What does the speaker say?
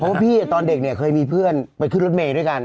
เพราะว่าพี่ตอนเด็กเนี่ยเคยมีเพื่อนไปขึ้นรถเมย์ด้วยกัน